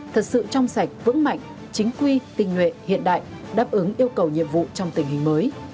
thật sự trong sạch vững mạnh chính quy tình nguyện hiện đại đáp ứng yêu cầu nhiệm vụ trong tình hình mới